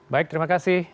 baik terima kasih